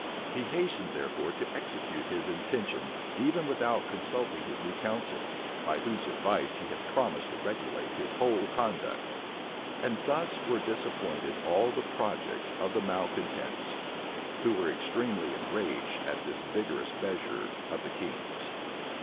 He hastened, therefore, to execute his intention, even without consulting his new council, by whose advice he had promised to regulate his whole conduct. And thus were disappointed all the projects of the malecontents, who were extremely enraged at this vigorous measure of the king's.